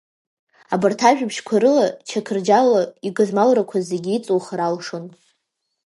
Абарҭ ажәабжьқәа рыла Чақырџьалы игызмалрақәа зегьы иҵухыр алшон.